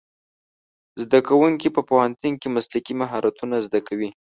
زدهکوونکي په پوهنتون کې مسلکي مهارتونه زده کوي.